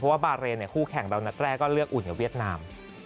ว่าบาเรนคู่แข่งเรานัดแรกก็เลือกอุ่นกับเวียดนาม